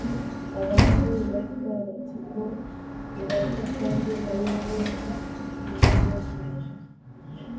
abandi batwa bati: «ko utubaza kandi ari wowe wiyokereje,